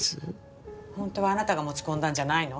本当はあなたが持ち込んだんじゃないの？